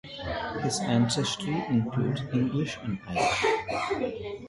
His ancestry includes English and Irish.